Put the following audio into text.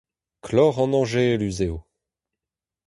Kloc'h an Añjeluz eo.